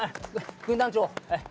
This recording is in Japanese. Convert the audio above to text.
軍団長。